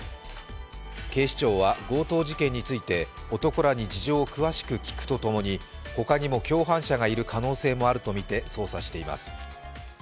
警視庁は強盗事件について男らに事情を詳しく聴くととともにほかにも共犯者がいる可能性があるとみて捜査しています。